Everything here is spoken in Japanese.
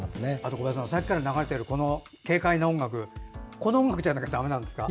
小林さん、さっきから流れてれる軽快な音楽この音楽じゃなきゃだめですか？